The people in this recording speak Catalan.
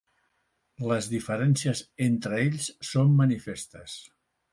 Les diferències entre ells són manifestes.